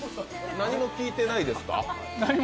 何も聞いてないです。